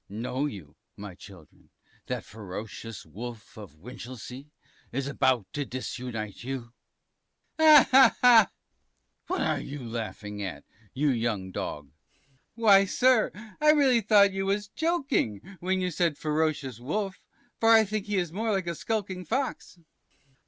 Know you, my children, that ferocious wolf of Winchelsea is about to disunite you? PUPIL. Ah! ah! ah! T. What are you laughing at, you young dog? P. Why, sir, I really thought you was joking, when you said ferocious wolf, for I think he is more like a skulking Fox.